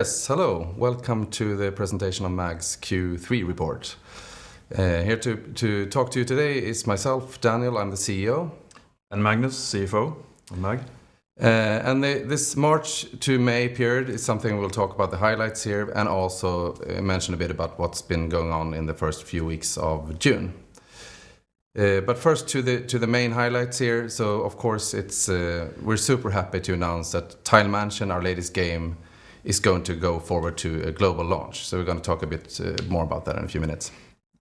Yes. Hello. Welcome to the presentation of MAG's Q3 report. Here to talk to you today is myself, Daniel, I'm the CEO. Magnus, CFO of MAG. This March to May period is something we'll talk about the highlights here, and also mention a bit about what's been going on in the first few weeks of June. First to the main highlights here. Of course, we're super happy to announce that Tile Mansion, our latest game, is going to go forward to a global launch. We're gonna talk a bit more about that in a few minutes.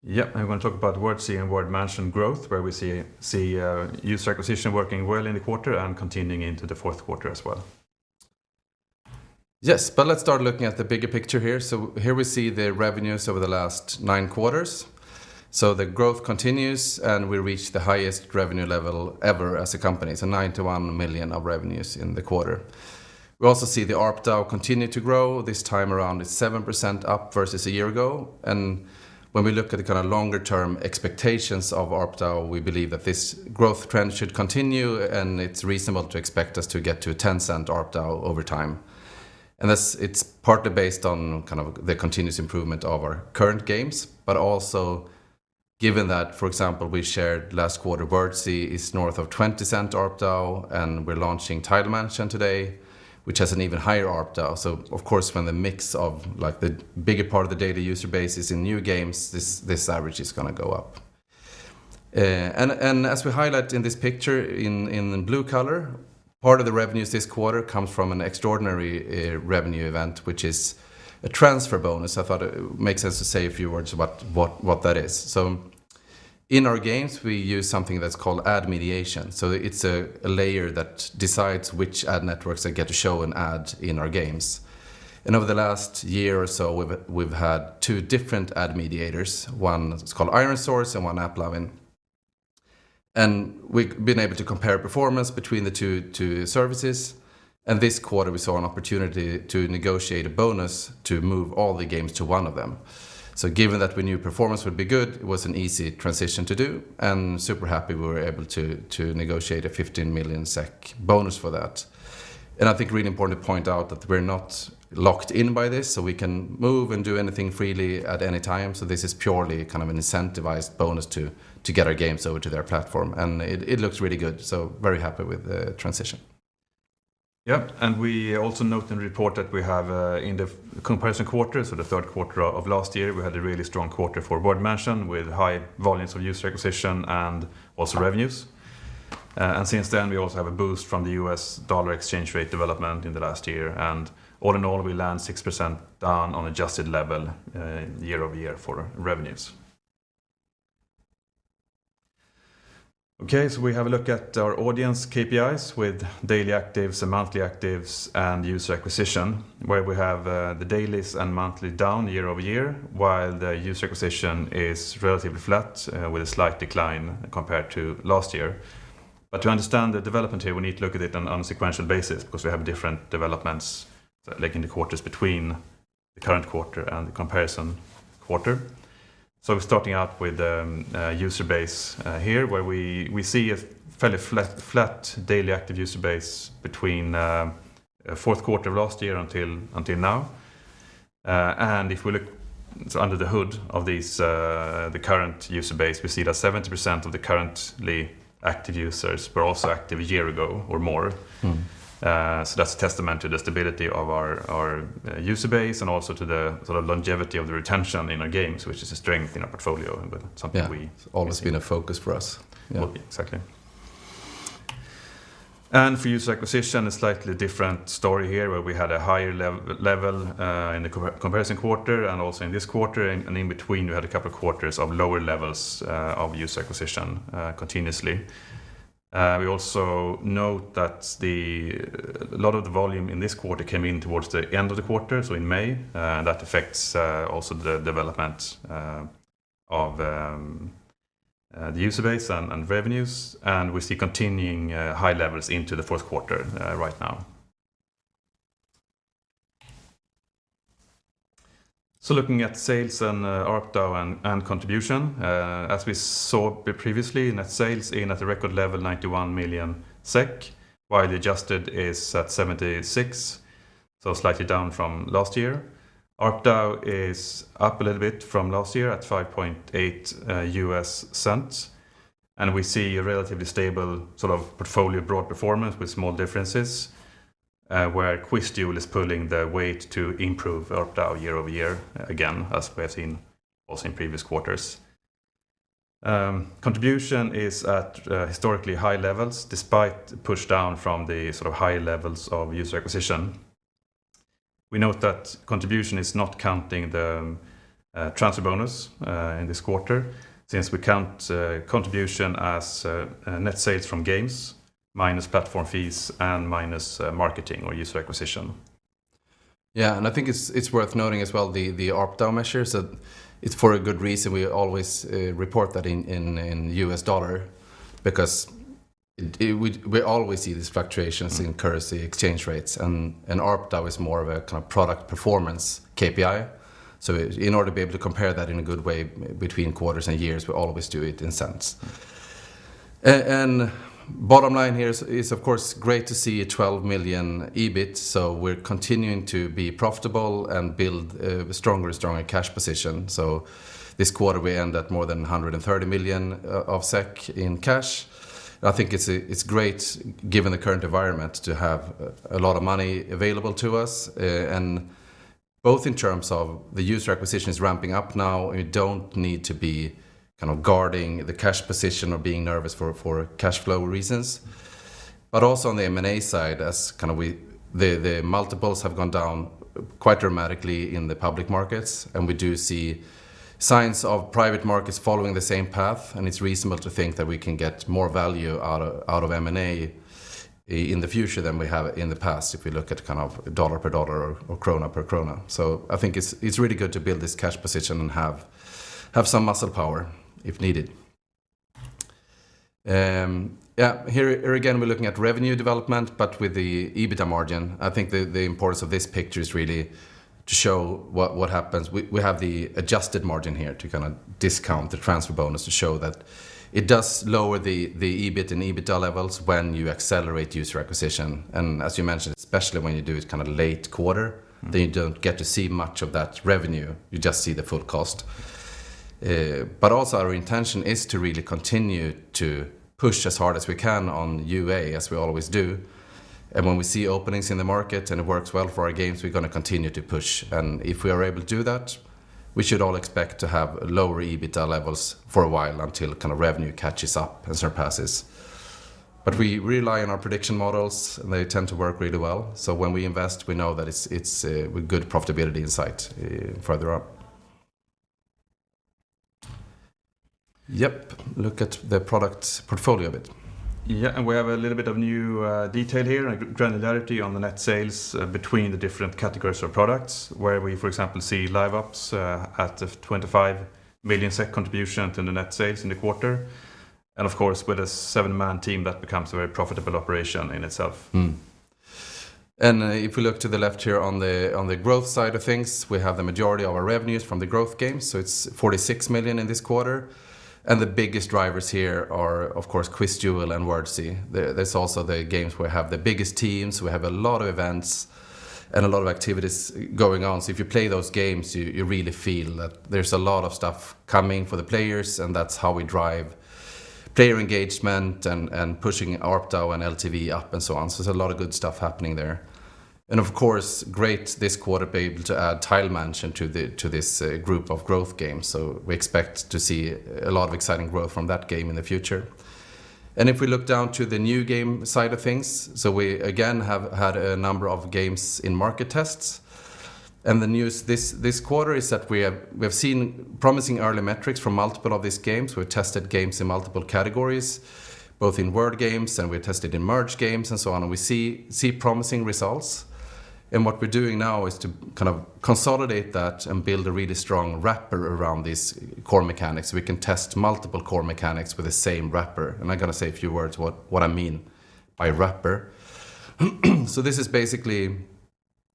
Yeah. We're gonna talk about Wordzee and Word Mansion growth, where we see user acquisition working well in the quarter and continuing into the fourth quarter as well. Yes. Let's start looking at the bigger picture here. Here we see the revenues over the last nine quarters. The growth continues, and we reach the highest revenue level ever as a company. 91 million of revenues in the quarter. We also see the ARPDAU continue to grow. This time around it's 7% up versus a year ago. When we look at the kinda longer term expectations of ARPDAU, we believe that this growth trend should continue, and it's reasonable to expect us to get to a 0.10 ARPDAU over time. That's. It's partly based on kind of the continuous improvement of our current games, but also given that, for example, we shared last quarter, Wordzee is north of 0.20 ARPDAU, and we're launching Tile Mansion today, which has an even higher ARPDAU. Of course, when the mix of like the bigger part of the daily user base is in new games, this average is gonna go up. As we highlight in this picture in the blue color, part of the revenues this quarter comes from an extraordinary revenue event, which is a transfer bonus. I thought it makes sense to say a few words about what that is. In our games, we use something that's called ad mediation. It's a layer that decides which ad networks they get to show an ad in our games. Over the last year or so, we've had two different ad mediators. One is called ironSource, and one AppLovin. We've been able to compare performance between the two services. This quarter, we saw an opportunity to negotiate a bonus to move all the games to one of them. Given that we knew performance would be good, it was an easy transition to do, and super happy we were able to negotiate a 15 million SEK bonus for that. I think really important to point out that we're not locked in by this, so we can move and do anything freely at any time. This is purely kind of an incentivized bonus to get our games over to their platform. It looks really good, so very happy with the transition. Yeah. We also note and report that we have, in the comparison quarter, so the third quarter of last year, we had a really strong quarter for Word Mansion with high volumes of user acquisition and also revenues. Since then, we also have a boost from the U.S. dollar exchange rate development in the last year. All in all, we land 6% down on adjusted level, year-over-year for revenues. Okay. We have a look at our audience KPIs with daily actives and monthly actives and user acquisition, where we have, the dailies and monthly down year-over-year, while the user acquisition is relatively flat, with a slight decline compared to last year. To understand the development here, we need to look at it on a sequential basis because we have different developments, like in the quarters between the current quarter and the comparison quarter. We're starting out with the user base here, where we see a fairly flat daily active user base between fourth quarter of last year until now. If we look under the hood of these, the current user base, we see that 70% of the currently active users were also active a year ago or more. Mm-hmm. That's a testament to the stability of our user base and also to the sort of longevity of the retention in our games, which is a strength in our portfolio. Something we- Yeah. It's always been a focus for us. Yeah. Exactly. For user acquisition, a slightly different story here, where we had a higher level in the comparison quarter and also in this quarter, and in between, we had a couple quarters of lower levels of user acquisition continuously. We also note that a lot of the volume in this quarter came in towards the end of the quarter, so in May. That affects also the development of the user base and revenues. We see continuing high levels into the fourth quarter right now. Looking at sales and ARPDAU and contribution, as we saw previously, net sales in at a record level, 91 million SEK, while the adjusted is at 76 million, so slightly down from last year. ARPDAU is up a little bit from last year at $0.058. We see a relatively stable sort of portfolio broad performance with small differences, where QuizDuel is pulling the weight to improve ARPDAU year-over-year again, as we have seen also in previous quarters. Contribution is at historically high levels despite push down from the sort of high levels of user acquisition. We note that contribution is not counting the transfer bonus in this quarter since we count contribution as a net sales from games minus platform fees and minus marketing or user acquisition. Yeah. I think it's worth noting as well the ARPDAU measures that it's for a good reason we always report that in U.S. dollar because we always see these fluctuations in currency exchange rates, and ARPDAU is more of a kinda product performance KPI. In order to be able to compare that in a good way between quarters and years, we always do it in cents. Bottom line here is of course great to see a 12 million EBIT. We're continuing to be profitable and build a stronger cash position. This quarter we end at more than 130 million in cash. I think it's great given the current environment to have a lot of money available to us, and both in terms of the user acquisitions ramping up now, we don't need to be kind of guarding the cash position or being nervous for cash flow reasons. Also on the M&A side, the multiples have gone down quite dramatically in the public markets, and we do see signs of private markets following the same path, and it's reasonable to think that we can get more value out of M&A in the future than we have in the past, if we look at kind of dollar per dollar or krona per krona. I think it's really good to build this cash position and have some muscle power if needed. Here again, we're looking at revenue development, but with the EBITDA margin. I think the importance of this picture is really to show what happens. We have the adjusted margin here to kind of discount the transfer bonus to show that it does lower the EBIT and EBITDA levels when you accelerate user acquisition. As you mentioned, especially when you do it kind of late quarter- Mm-hmm You don't get to see much of that revenue. You just see the full cost. Our intention is to really continue to push as hard as we can on UA, as we always do. When we see openings in the market and it works well for our games, we're gonna continue to push. If we are able to do that, we should all expect to have lower EBITDA levels for a while until kind of revenue catches up and surpasses. We rely on our prediction models, and they tend to work really well. When we invest, we know that it's with good profitability in sight further on. Yep. Look at the product portfolio a bit. Yeah. We have a little bit of new detail here and granularity on the net sales between the different categories of products, where we, for example, see LiveOps at a 25 million SEK contribution to the net sales in the quarter. Of course, with a seven man team, that becomes a very profitable operation in itself. If we look to the left here on the growth side of things, we have the majority of our revenues from the growth games. It's 46 million in this quarter. The biggest drivers here are, of course, QuizDuel and Wordzee. There's also the games we have the biggest teams, we have a lot of events and a lot of activities going on. If you play those games, you really feel that there's a lot of stuff coming for the players, and that's how we drive player engagement and pushing ARPDAU and LTV up and so on. There's a lot of good stuff happening there. Of course, great this quarter be able to add Tile Mansion to this group of growth games. We expect to see a lot of exciting growth from that game in the future. If we look down to the new game side of things, we again have had a number of games in market tests. The news this quarter is that we have seen promising early metrics from multiple of these games. We've tested games in multiple categories, both in word games, and we tested in merge games and so on, and we see promising results. What we're doing now is to kind of consolidate that and build a really strong wrapper around these core mechanics. We can test multiple core mechanics with the same wrapper. I'm gonna say a few words what I mean by wrapper. This is basically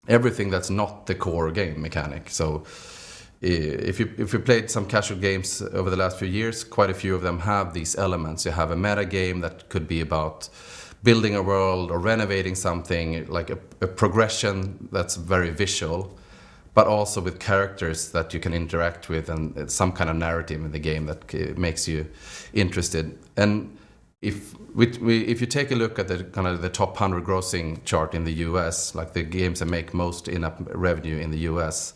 everything that's not the core game mechanic. If you played some casual games over the last few years, quite a few of them have these elements. You have a metagame that could be about building a world or renovating something, like a progression that's very visual, but also with characters that you can interact with and some kind of narrative in the game that makes you interested. If you take a look at the top 100 grossing chart in the U.S., like the games that make most in revenue in the U.S.,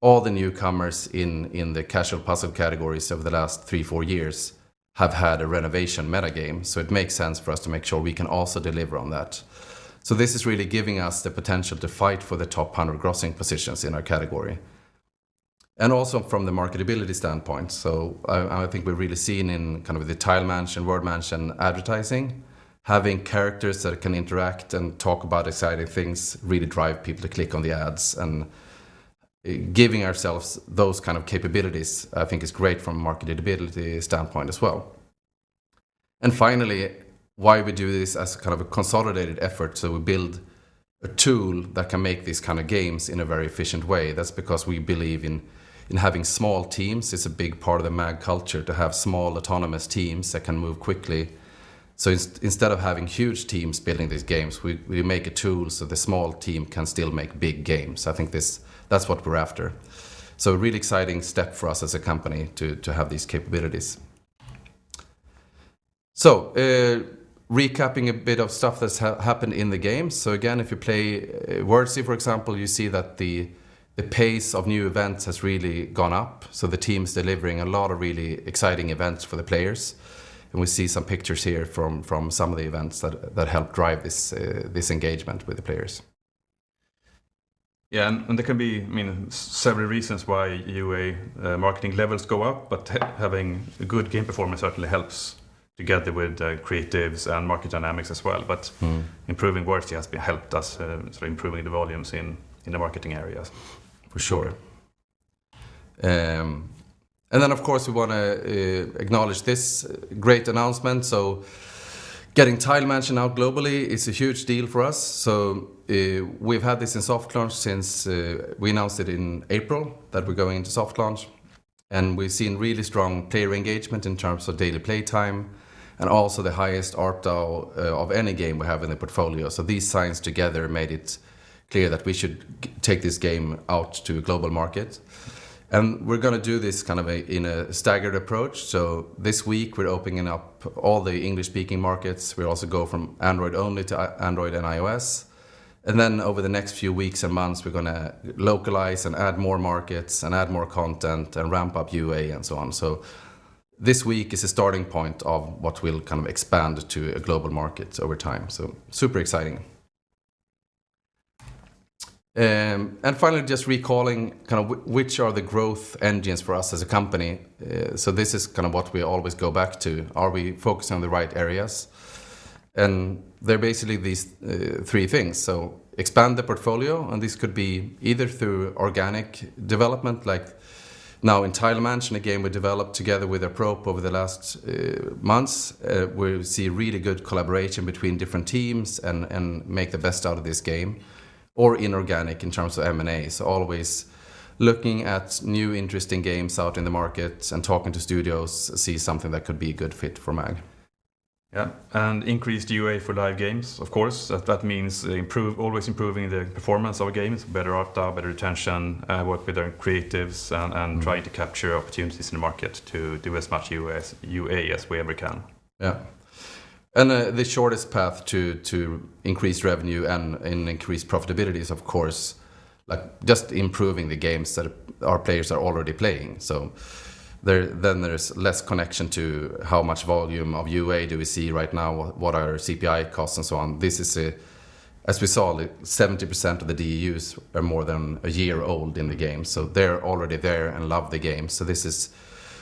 all the newcomers in the casual puzzle categories over the last three to four years have had a renovation metagame. It makes sense for us to make sure we can also deliver on that. This is really giving us the potential to fight for the top 100 grossing positions in our category. Also from the marketability standpoint. I think we're really seeing in kind of with the Tile Mansion, Word Mansion advertising, having characters that can interact and talk about exciting things really drive people to click on the ads and giving ourselves those kind of capabilities, I think is great from a marketability standpoint as well. Finally, why we do this as kind of a consolidated effort, we build a tool that can make these kind of games in a very efficient way. That's because we believe in having small teams. It's a big part of the MAG culture to have small autonomous teams that can move quickly. Instead of having huge teams building these games, we make a tool so the small team can still make big games. I think that's what we're after. A really exciting step for us as a company to have these capabilities. Recapping a bit of stuff that's happened in the game. Again, if you play Wordzee, for example, you see that the pace of new events has really gone up. The team's delivering a lot of really exciting events for the players. We see some pictures here from some of the events that help drive this engagement with the players. Yeah. There can be, I mean, several reasons why UA marketing levels go up, but having a good game performance certainly helps together with creatives and market dynamics as well. Mm-hmm Improving Wordzee helped us sort of improving the volumes in the marketing areas for sure. Of course, we wanna acknowledge this great announcement. Getting Tile Mansion out globally is a huge deal for us. We've had this in soft launch since we announced it in April that we're going into soft launch, and we've seen really strong player engagement in terms of daily play time and also the highest ARPDAU of any game we have in the portfolio. These signs together made it clear that we should take this game out to global market. We're gonna do this kind of in a staggered approach. This week we're opening up all the English-speaking markets. We also go from Android only to Android and iOS. Over the next few weeks and months, we're gonna localize and add more markets and add more content and ramp up UA and so on. This week is a starting point of what we'll kind of expand to global markets over time. Super exciting. Finally just recalling kind of which are the growth engines for us as a company. This is kind of what we always go back to. Are we focused on the right areas? They're basically these three things. Expand the portfolio, and this could be either through organic development like now in Tile Mansion, a game we developed together with Apprope over the last months. We see really good collaboration between different teams and make the best out of this game, or inorganic in terms of M&As, always looking at new interesting games out in the market and talking to studios, see something that could be a good fit for Mag. Yeah. Increased UA for live games, of course, that means always improving the performance of our games, better ARPDAU, better retention, work with our creatives and trying to capture opportunities in the market to do as much UA as we ever can. Yeah. The shortest path to increase revenue and increase profitability is of course like just improving the games that our players are already playing. Then there's less connection to how much volume of UA do we see right now, what are our CPI costs and so on. This is as we saw, like 70% of the DAUs are more than a year old in the game, so they're already there and love the game. This is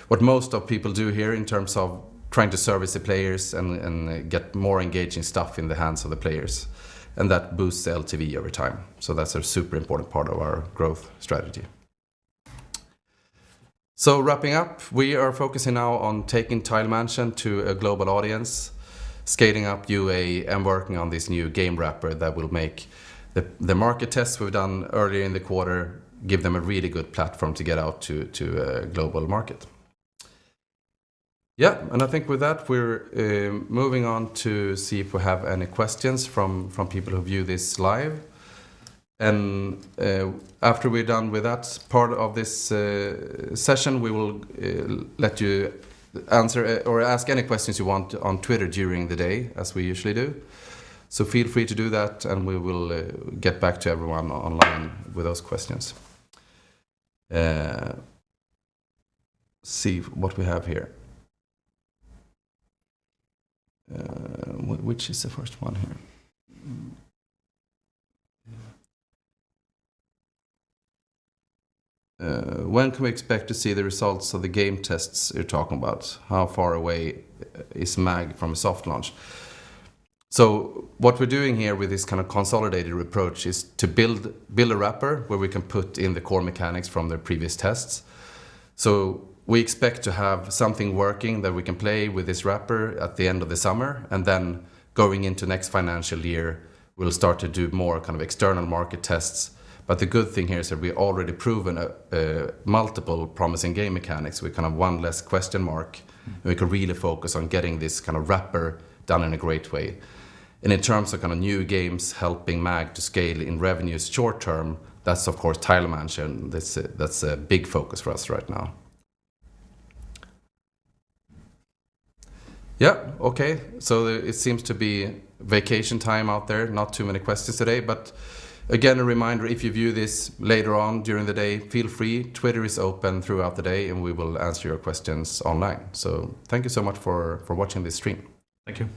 what most of people do here in terms of trying to service the players and get more engaging stuff in the hands of the players, and that boosts the LTV over time. That's a super important part of our growth strategy. Wrapping up, we are focusing now on taking Tile Mansion to a global audience, scaling up UA, and working on this new game wrapper that will make the market tests we've done earlier in the quarter give them a really good platform to get out to a global market. Yeah. I think with that, we're moving on to see if we have any questions from people who view this live. After we're done with that part of this session, we will let you answer or ask any questions you want on Twitter during the day as we usually do. Feel free to do that, and we will get back to everyone online with those questions. See what we have here. Which is the first one here? When can we expect to see the results of the game tests you're talking about? How far away is Mag from a soft launch? What we're doing here with this kind of consolidated approach is to build a wrapper where we can put in the core mechanics from their previous tests. We expect to have something working that we can play with this wrapper at the end of the summer, and then going into next financial year, we'll start to do more kind of external market tests. The good thing here is that we already proven a multiple promising game mechanics. We kinda have one less question mark, and we can really focus on getting this kind of wrapper done in a great way. In terms of kinda new games helping Mag to scale in revenues short term, that's of course Tile Mansion. That's a big focus for us right now. Yeah. Okay. It seems to be vacation time out there, not too many questions today. Again, a reminder, if you view this later on during the day, feel free. Twitter is open throughout the day, and we will answer your questions online. Thank you so much for watching this stream. Thank you.